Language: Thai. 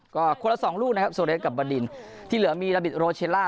ก็คนละสองลูกนะครับโซเรสกับบดินที่เหลือมีลาบิดโรเชลล่า